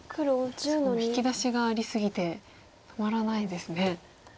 すごい引き出しがあり過ぎて止まらないですね。